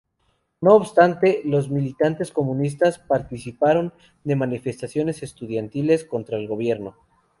No obstante, los militantes comunistas participaron de manifestaciones estudiantiles contra el gobierno.